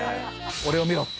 俺を見ろって？